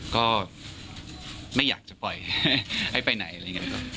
ก็ไม่อยากจะปล่อยให้ไปไหนอะไรอย่างนี้ครับ